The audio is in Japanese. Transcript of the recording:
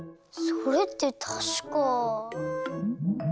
それってたしか。